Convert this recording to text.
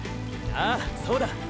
ああそうだ。